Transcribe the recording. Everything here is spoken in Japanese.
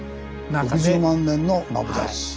６０万年のマブダチ。